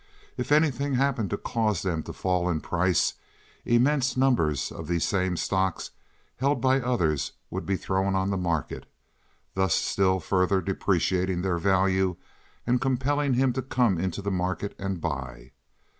If anything happened to cause them to fall in price immense numbers of these same stocks held by others would be thrown on the market, thus still further depreciating their value and compelling him to come into the market and buy.